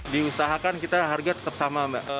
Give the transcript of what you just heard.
diusahakan kita harga tetap sama mbak